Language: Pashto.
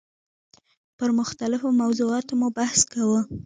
پر مختلفو موضوعاتو مو بحث کاوه.